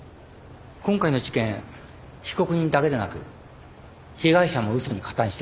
今回の事件被告人だけでなく被害者も嘘に加担していた。